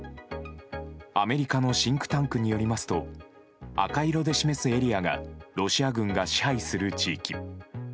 アメリカのシンクタンクによりますと赤色で示すエリアがロシア軍が支配する地域。